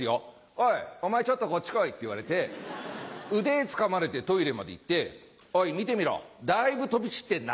「おいお前ちょっとこっち来い」って言われて腕つかまれてトイレまで行って「おい見てみろだいぶ飛び散ってんな。